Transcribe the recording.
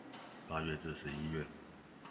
八月至十一月